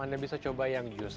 anda bisa coba yang jus